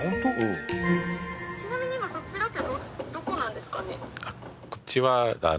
こっちは。